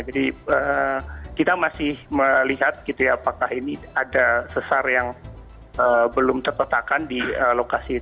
jadi kita masih melihat apakah ini ada sesar yang belum terketatkan di lokasi